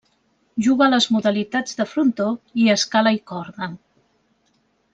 Juga a les modalitats de frontó i escala i corda.